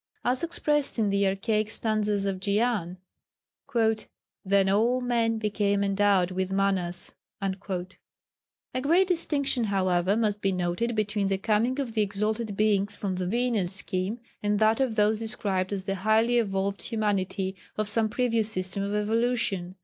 As expressed in the archaic stanzas of Dzyan, "Then all men became endowed with Manas." A great distinction, however, must be noted between the coming of the exalted Beings from the Venus scheme and that of those described as the highly evolved humanity of some previous system of evolution.